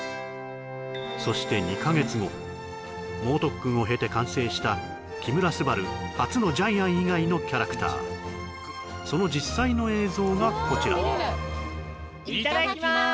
そして２か月後猛特訓を経て完成した木村昴初のジャイアン以外のキャラクターその実際の映像がこちらいただきます